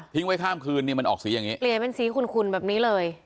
ไว้ข้ามคืนนี่มันออกสีอย่างนี้เปลี่ยนเป็นสีขุนแบบนี้เลย